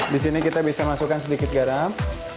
di sini kita bisa masukkan sedikit garam